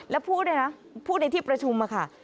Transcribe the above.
แล้วพูดด้วยนะพูดในที่ประชุมค่ะ